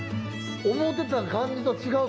思ってた感じと違う。